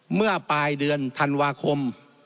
เมื่อปลายเดือนธันวาคม